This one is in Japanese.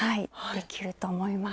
できると思います。